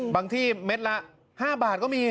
ที่เม็ดละ๕บาทก็มี